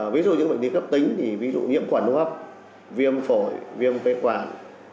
ví dụ những bệnh lý cấp tính thì ví dụ nhiễm quản hô hấp viêm phổi viêm kế quản